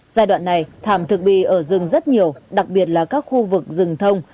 giai đoạn này thảm thực bị ở rừng rất nhiều đặc biệt là các khu vực rừng thông